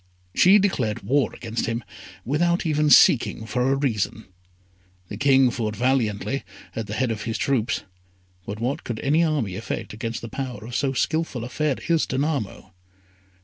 She declared war against him without even seeking for a reason. The King fought valiantly, at the head of his troops; but what could any army effect against the power of so skilful a Fairy as Danamo?